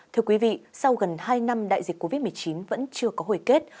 thưa quý vị sau gần hai năm đại dịch covid một mươi chín vẫn chưa có hồi kết